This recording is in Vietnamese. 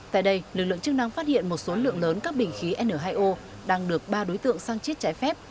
tại đây lực lượng chức năng phát hiện một số lượng lớn các bình khí n hai o đang được ba đối tượng sang chiết trái phép